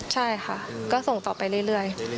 ใช่ค่ะก็ส่งต่อไปเรื่อย